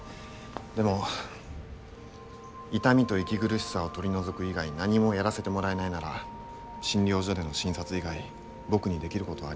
でも痛みと息苦しさを取り除く以外何もやらせてもらえないなら診療所での診察以外僕にできることはありません。